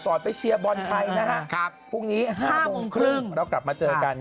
ไปเชียร์บอลไทยนะฮะพรุ่งนี้๕โมงครึ่งเรากลับมาเจอกัน